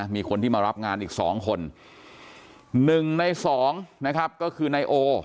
มีคนที่มารับงานอีกสองคนหนึ่งในสองนะครับก็คือนายโอ